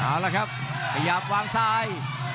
เอาละครับขยับวางซ้าย